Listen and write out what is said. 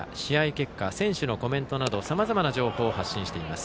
結果選手のコメントなどさまざまな情報を発信しています。